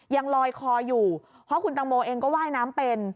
ยังลอยคออยู่เพราะคุณตังโมเองก็ว่ายน้ำเป็น